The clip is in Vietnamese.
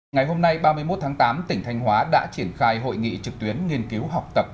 ngày hôm nay ba mươi một tháng tám tỉnh thanh hóa đã triển khai hội nghị trực tuyến nghiên cứu học tập